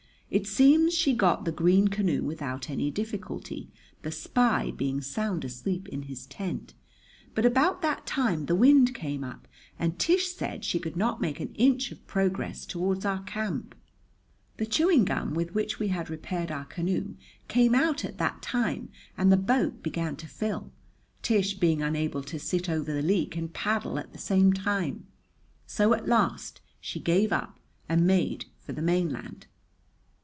It seems she got the green canoe without any difficulty, the spy being sound asleep in his tent; but about that time the wind came up and Tish said she could not make an inch of progress toward our camp. The chewing gum with which we had repaired our canoe came out at that time and the boat began to fill, Tish being unable to sit over the leak and paddle at the same time. So, at last, she gave up and made for the mainland.